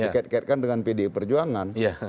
dikaitkan dengan pdi perjuangan